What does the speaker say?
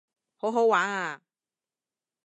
好好玩啊